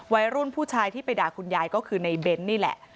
วัยรุ่นผู้ชายที่ไปด่าคุณยายก็คือในเบ้นนี่แหละ